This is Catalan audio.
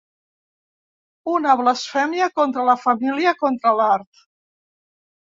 Una blasfèmia contra la família, contra l'art.